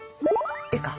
絵か。